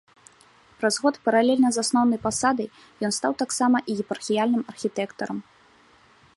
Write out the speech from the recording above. Праз год паралельна з асноўнай пасадай ён стаў таксама і епархіяльным архітэктарам.